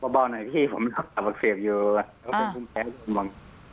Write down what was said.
บอกบอกหน่อยพี่ผมรูปตับอักเสบอยู่เขาเป็นคุณแพ้คุณบอน